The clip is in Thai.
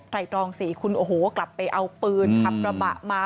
ตรองสิคุณโอ้โหกลับไปเอาปืนขับกระบะมา